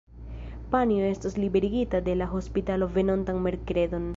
Panjo estos liberigita de la hospitalo venontan merkredon.